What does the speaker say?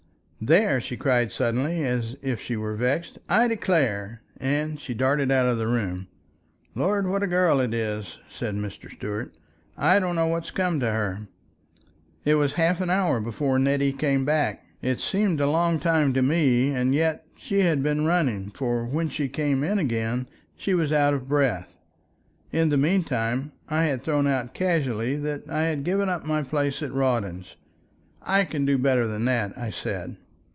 "There!" she cried suddenly, as if she were vexed. "I declare!" and she darted out of the room. "Lord! what a girl it is!" said Mrs. Stuart. "I don't know what's come to her." It was half an hour before Nettie came back. It seemed a long time to me, and yet she had been running, for when she came in again she was out of breath. In the meantime, I had thrown out casually that I had given up my place at Rawdon's. "I can do better than that," I said.